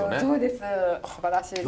すばらしいです。